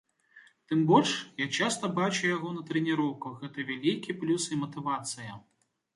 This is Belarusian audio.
Тым больш, я часта бачу яго на трэніроўках, гэта вялікі плюс і матывацыя.